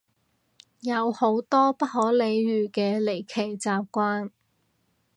有好多不可理喻嘅離奇習慣